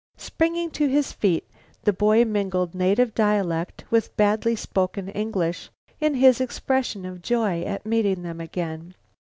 Springing to his feet, the boy mingled native dialect with badly spoken English in his expression of joy at meeting them again.